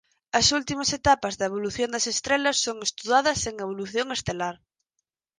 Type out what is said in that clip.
As últimas etapas da evolución das estrelas son estudadas en evolución estelar.